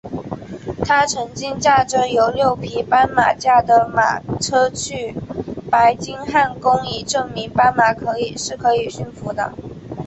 他曾经驾着由六匹斑马驾的马车去白金汉宫以证明斑马是可以驯服的。